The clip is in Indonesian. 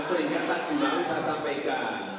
sehingga tadi mau saya sampaikan